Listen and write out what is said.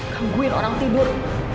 gangguin orang tidur